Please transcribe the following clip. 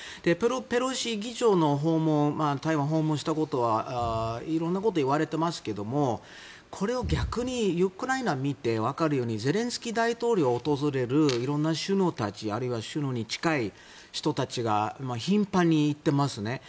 ペロシ議長が台湾訪問したことは色んなことを言われていますがこれを逆にウクライナを見てわかるようにゼレンスキー大統領など色んな首相たちあるいは首脳に近い人たちが頻繁に行ってますね。